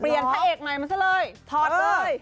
น์เรียนพระเอกใหม่มาซะเลยถอดเลยหรือทด